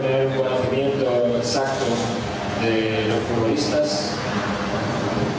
saya ingin memiliki pengetahuan yang tepat dari pemain